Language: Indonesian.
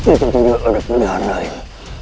itu juga udah pulih harnain